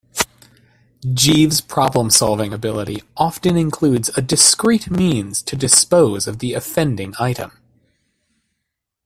Jeeves's problem-solving ability often includes a discreet means to dispose of the offending item.